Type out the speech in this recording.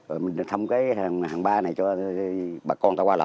rồi mình thâm cái hàng ba này cho bà con ta qua lại